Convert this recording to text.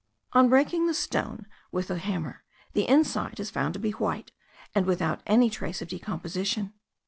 On breaking the stone with a hammer, the inside is found to be white, and without any trace of decomposition.